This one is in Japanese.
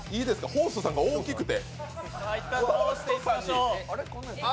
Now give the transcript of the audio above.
ホーストさんが大きくて。